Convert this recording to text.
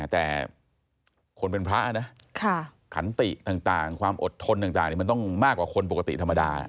แต่คนเป็นพระนะขันติต่างความอดทนต่างมันต้องมากกว่าคนปกติธรรมดา